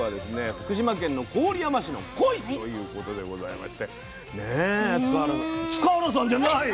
福島県の郡山市のコイということでございましてね塚原さん塚原さんじゃない！